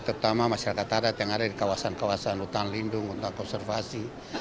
terutama masyarakat adat yang ada di kawasan kawasan hutan lindung untuk konservasi